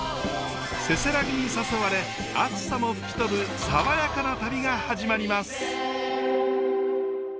せせらぎに誘われ暑さも吹き飛ぶ爽やかな旅が始まります。